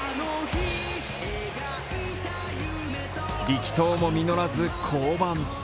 力投も実らず降板。